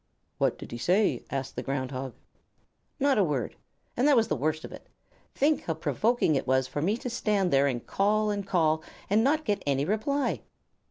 "What did he say?" asked the Ground Hog. "Not a word! And that was the worst of it. Think how provoking it was for me to stand there and call and call and not get any reply."